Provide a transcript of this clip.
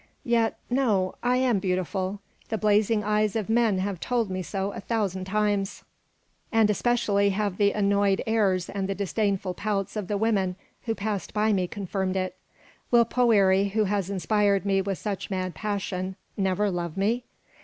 Yet no, I am beautiful; the blazing eyes of men have told me so a thousand times, and especially have the annoyed airs and the disdainful pouts of the women who passed by me confirmed it. Will Poëri, who has inspired me with such mad passion, never love me?